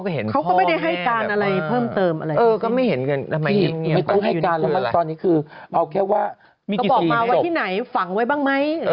ก็บอกมาไว้ที่ไหนฝังไว้บ้างไหม